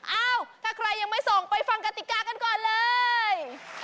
เอ้าถ้าใครยังไม่ส่งไปฟังกติกากันก่อนเลย